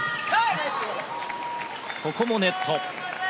ここもネット。